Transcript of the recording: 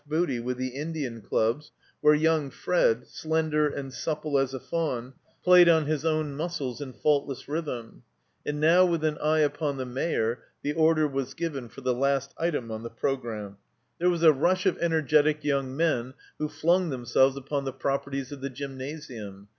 Booty with the Indian dubs, where young Fred, slender and supple as a fatm, played on his own muscles in faultless rhythm. And now with an eye upon the Mayor the order was given for the last item on the programme : THE COMBINED MAZE There was a rush of energetic young men who flung themselves upon the properties of the Gsrmna sium.